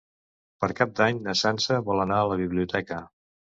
Per Cap d'Any na Sança vol anar a la biblioteca.